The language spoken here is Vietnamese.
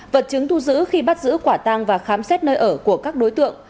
vật chứng thu giữ khi bắt giữ quả tăng và khám xét nơi ở của các đối tượng